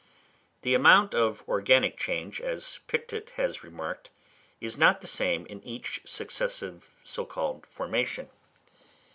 The amount of organic change, as Pictet has remarked, is not the same in each successive so called formation.